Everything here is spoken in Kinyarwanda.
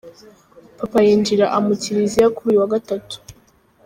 Papa yinjir amu Kiliziya kuri uyu wa gatatu.